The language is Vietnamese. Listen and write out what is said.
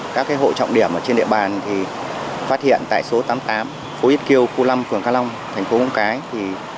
các hộ trọng điểm trên địa bàn phát hiện tại số tám mươi tám phố yết kiêu khu năm phường cá long thành phố móng cái